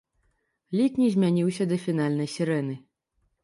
Лік не змяніўся да фінальнай сірэны.